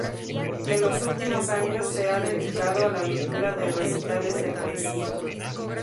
En los últimos años, se ha dedicado a la lectura de recitales de poesía.